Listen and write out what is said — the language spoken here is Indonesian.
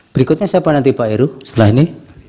berikutnya siapa nanti pak heru setelah ini